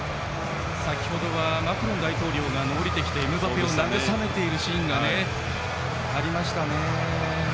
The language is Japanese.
先程は、マクロン大統領が下りてきてエムバペをなぐさめているシーンがありましたね。